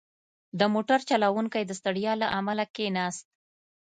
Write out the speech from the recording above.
• د موټر چلوونکی د ستړیا له امله کښېناست.